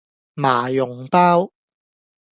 麻蓉包